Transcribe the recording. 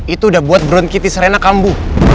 itu udah buat brown kitty serena kambu